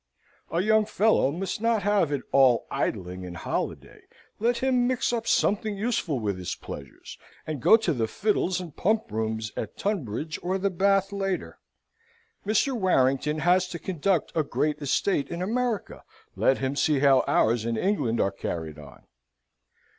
"A young fellow must not have it all idling and holiday. Let him mix up something useful with his pleasures, and go to the fiddles and pump rooms at Tunbridge or the Bath later. Mr. Warrington has to conduct a great estate in America: let him see how ours in England are carried on.